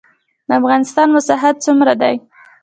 د افغانستان مساحت څومره دی؟